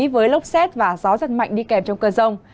với lốc xét và gió giật mạnh đi kèm trong cơn rông